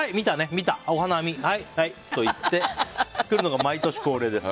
見た、お花見はい、はいと言って帰るのが毎年の恒例です。